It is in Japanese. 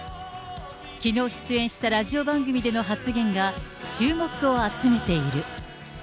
きのう出演したラジオ番組での発言が、注目を集めている。